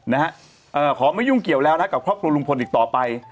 นะฮะเอ่อขอไม่ยุ่งเกี่ยวแล้วนะกับครอบครัวลุงพลอีกต่อไป